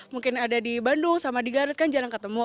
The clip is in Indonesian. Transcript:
mungkin ada di bandung sama di garut kan jarang ketemu